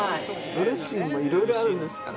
ドレッシングもいろいろあるんですから。